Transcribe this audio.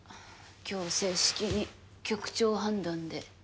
今日正式に局長判断で。